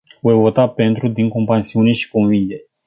Voi vota pentru, din compasiune și convingere.